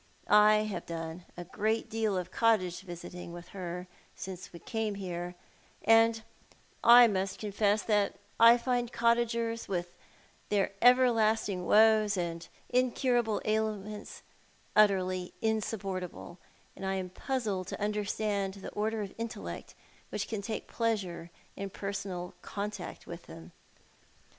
I liave done a good deal of cottage visiting with her since we came here ; and I must confess that I find cottagers, with their everlasting woes and incuralile ail ments, utterly insupportable, and I am puzzled to understand tlie order of intellect which can take pleasure in personal contact with them.